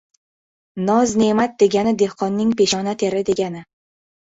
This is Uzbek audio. — Noz-ne’mat degani dehqonning peshona teri degani!